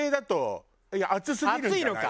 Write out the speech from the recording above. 暑いのか。